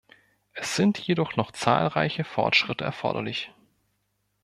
Es sind jedoch noch zahlreiche Fortschritte erforderlich.